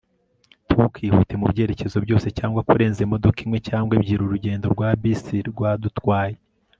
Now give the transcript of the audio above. ntukihute mu byerekezo byose cyangwa kurenza imodoka imwe cyangwa ebyiri. urugendo rwa bisi rwadutwaye